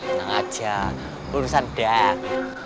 neng aja urusan dak